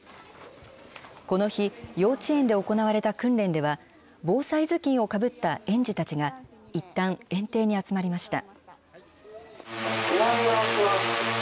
この日、幼稚園で行われた訓練では、防災頭巾をかぶった園児たちが、いったん園庭に集まりました。